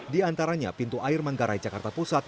di antaranya pintu air manggarai jakarta pusat